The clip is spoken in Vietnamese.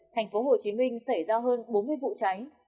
tp hcm xảy ra hơn bốn mươi vụ cháy